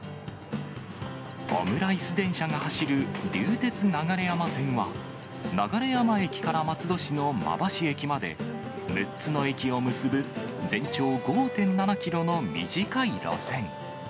オムライス電車が走る流鉄流山線は、流山駅から松戸市の馬橋駅まで、６つの駅を結ぶ全長５．７キロの短い路線。